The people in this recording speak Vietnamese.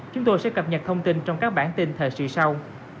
chúng tôi sẽ cập nhật thông tin trong các bản tin thời sự sau